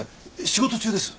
仕事中です。